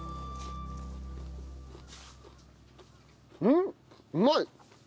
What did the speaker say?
んっうまい！